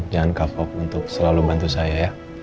jangan kapok untuk selalu bantu saya ya